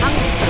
ada angin juga